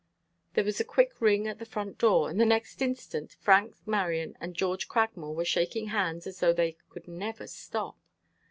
There was a quick ring at the front door, and the next instant Frank Marion and George Cragmore were shaking hands as though they could never stop.